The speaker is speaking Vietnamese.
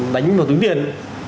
đánh vào túi tiền